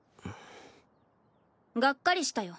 がっかりしたよ。